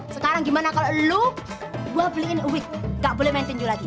sekarang gimana kalau lo gue beliin week gak boleh main tinju lagi